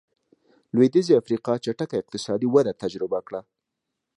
لوېدیځې افریقا چټکه اقتصادي وده تجربه کړه.